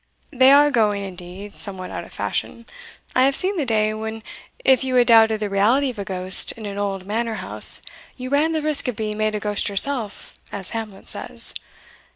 They are going, indeed, somewhat out of fashion. I have seen the day, when if you had doubted the reality of a ghost in an old manor house you ran the risk of being made a ghost yourself, as Hamlet says.